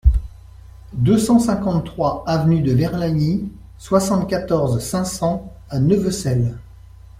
deux cent cinquante-trois avenue de Verlagny, soixante-quatorze, cinq cents à Neuvecelle